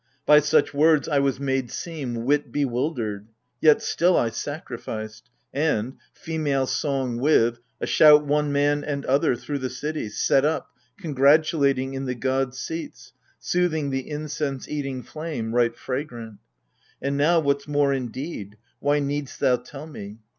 " By such words I was made seem wit bewildered : Yet still I sacrificed ; and, — female song with, — A shout one man and other, through the city, Set up, congratulating in the gods' seats. Soothing the incense eating flame right fragrant. And now, what's more, indeed, why need'st thou tell me